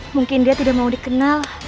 mungkin dia tidak mau dikenal